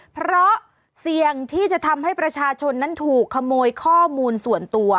เพราะเสี่ยงที่จะทำให้ประชาชนนั้นถูกขโมยข้อมูลส่วนตัว